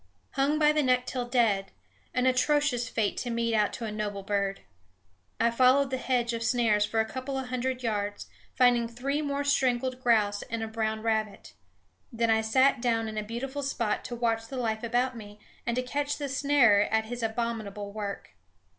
Hung by the neck till dead! an atrocious fate to mete out to a noble bird. I followed the hedge of snares for a couple of hundred yards, finding three more strangled grouse and a brown rabbit. Then I sat down in a beautiful spot to watch the life about me, and to catch the snarer at his abominable work.